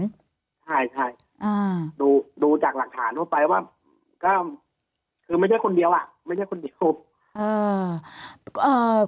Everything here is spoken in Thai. ใช่ดูจากหลักฐานทั่วไปว่าคือไม่ใช่คนเดียว